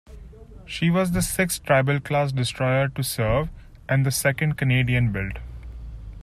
She was the sixth Tribal-class destroyer to serve and the second Canadian-built.